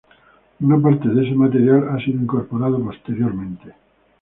Una parte de ese material ha sido incorporado posteriormente.